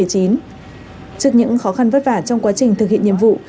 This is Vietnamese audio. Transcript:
trước những khó khăn vất vả trong quá trình thực hiện nhiệm vụ